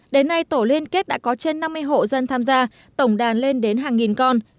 đến nay tổ liên kết đã có trên năm mươi hộ dân tham gia tổng đàn lên đến hàng nghìn con